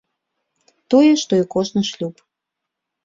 Тое, што і кожны шлюб.